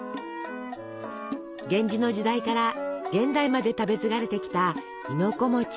源氏の時代から現代まで食べ継がれてきた亥の子。